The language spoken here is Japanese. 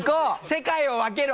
世界を分けろ！